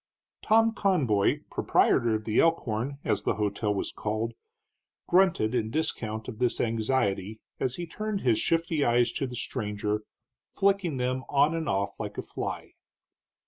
Tom Conboy, proprietor of the Elkhorn, as the hotel was called, grunted in discount of this anxiety as he turned his shifty eyes to the stranger, flicking them on and off like a fly.